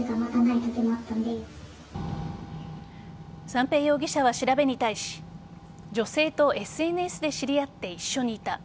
三瓶容疑者は調べに対し女性とＳＮＳで知り合って一緒にいた。